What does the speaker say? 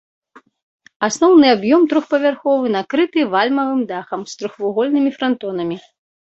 Асноўны аб'ём трохпавярховы, накрыты вальмавым дахам з трохвугольнымі франтонамі.